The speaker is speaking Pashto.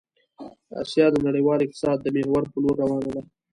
آسيا د نړيوال اقتصاد د محور په لور روان ده